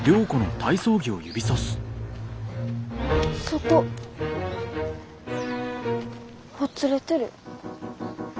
そこほつれてる。